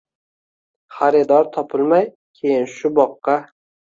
Xaridor topilmay, keyin shu boqqa